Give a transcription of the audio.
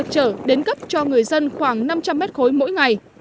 trở đến cấp cho người dân khoảng năm trăm linh mét khối mỗi ngày